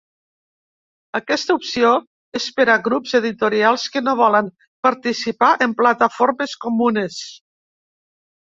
Aquesta opció és per a grups editorials que no volen participar en plataformes comunes.